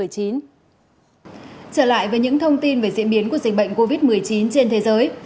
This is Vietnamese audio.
trở lại với những thông tin về diễn biến của dịch bệnh covid một mươi chín trên thế giới